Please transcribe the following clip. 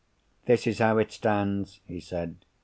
"This is how it stands," he said.